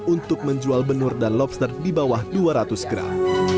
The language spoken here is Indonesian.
untuk menjual benur dan lobster di bawah dua ratus gram